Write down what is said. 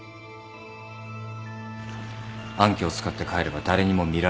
暗渠を使って帰れば誰にも見られない。